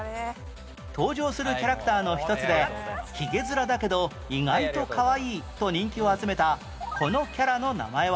登場するキャラクターの一つでヒゲ面だけど意外とかわいいと人気を集めたこのキャラの名前は？